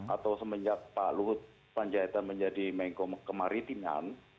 atau semenjak pak lut panjaitan menjadi menko kemaritiman